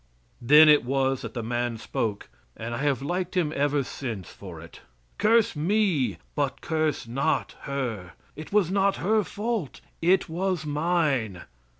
Then it was that the man spoke and I have liked him ever since for it "Curse me, but curse not her; it was not her fault, it was mine."